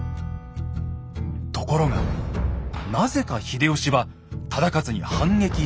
ところがなぜか秀吉は忠勝に反撃しません。